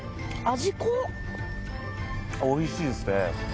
おいしいですね。